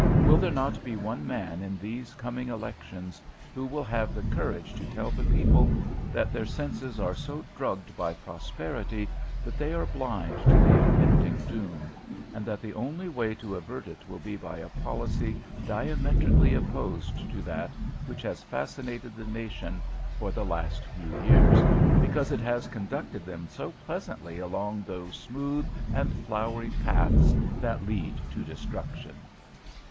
will there not be one man in these coming elections who will have the courage to tell the people that their senses are so drugged by prosperity that they are blind to the impending doom, and that the only way to avert it will be by a policy diametrically opposed to that which has fascinated the nation for the last few years, because it has conducted them so pleasantly along those smooth and flowery paths that lead to destruction?